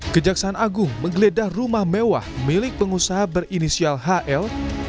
kejaksaan agung menggeledah rumah mewah milik pengusaha berinisial hl